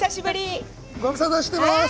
ご無沙汰してます！